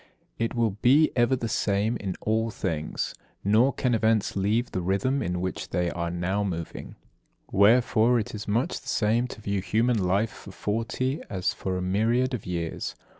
It will be ever the same in all things; nor can events leave the rhythm in which they are now moving. Wherefore it is much the same to view human life for forty, as for a myriad of years.